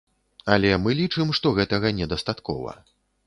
Але мы лічым, што гэтага недастаткова.